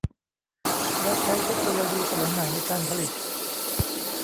และใช้เทคโนโลยีสมัยใหม่ในการผลิต